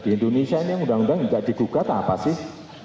di indonesia ini undang undang enggak di guga tak apa sih